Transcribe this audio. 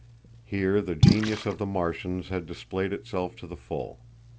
Here the genius of the Martians had displayed itself to the full.